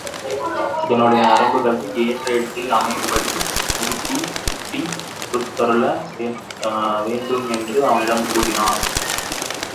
இதனுடைய நரம்புகளை ஏற்ற இடத்தில் அமையும்படி முறுக்கிக் சுட்டிக் கொடுத்தருளல் வேண்டும் என்று அவனிடம் கூறினாள்.